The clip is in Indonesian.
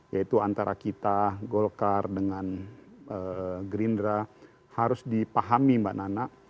yaitu antara kita golkar dengan gerindra harus dipahami mbak nana